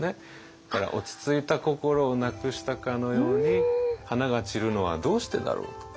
だから落ち着いた心をなくしたかのように「花が散るのはどうしてだろう」と言っている。